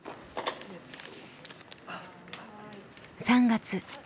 ３月。